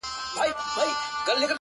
• ستونی د شپېلۍ به نغمه نه لري ,